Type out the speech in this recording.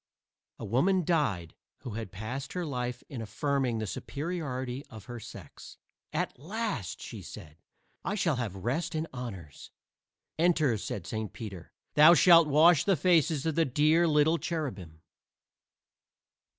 A woman died who had passed her life in affirming the superiority of her sex. "At last," she said, "I shall have rest and honors." "Enter," said Saint Peter; "thou shalt wash the faces of the dear little cherubim."